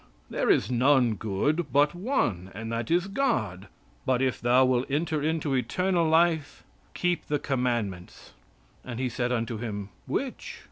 There is none good but one, and that is God, but if thou will enter into eternal life, keep the commandments,' and he said unto Him, 'Which?'"